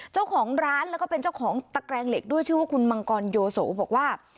เจ้าของร้านแล้วก็เป็นเจ้าของตะแกรงเหล็กด้วยชื่อว่าคุณมังกรโยโสบอกว่า